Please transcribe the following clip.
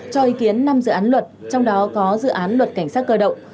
cho ý kiến năm dự án luật trong đó có dự án luật cảnh sát cơ động